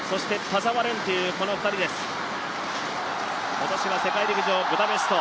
今年は世界陸上ブダペスト